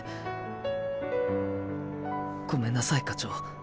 ごめんなさい課長。